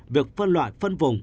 việc phân loại phân vùng